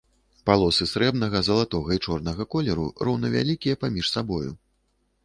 Палосы срэбнага, залатога і чорнага колеру роўнавялікія паміж сабою.